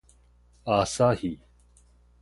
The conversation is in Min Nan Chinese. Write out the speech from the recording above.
朝日